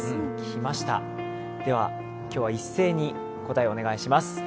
きました、では今日は一斉に答えをお願いします。